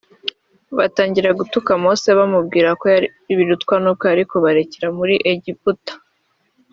batangira gutuka Mose bamubwira ko birutwa nuko yari kubarekera muri Egiputa